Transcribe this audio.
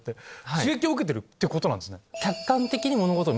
刺激を受けてるってことなんですね。